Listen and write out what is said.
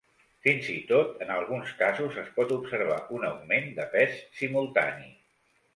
Fins i tot, en alguns casos, es pot observar un augment de pes simultani.